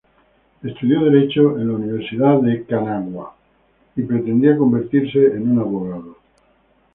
Estudió derecho en la Universidad de Kanagawa, y pretendía convertirse en un abogado.